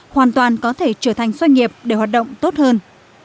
hoàn toàn có thể trở thành doanh nghiệp để hoạt động tốt hơn